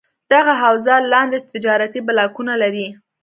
دغه حوزه لاندې تجارتي بلاکونه لري: